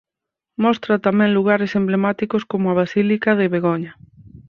Mostra tamén lugares emblemáticos como a Basílica de Begoña.